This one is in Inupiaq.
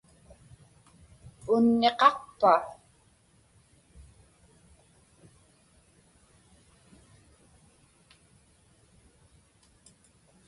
Punniqaqpa?